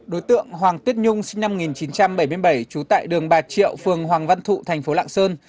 đối tượng hoàng tuyết nhung sinh năm một nghìn chín trăm bảy mươi bảy trú tại đường bà triệu phường hoàng văn thụ thành phố lạng sơn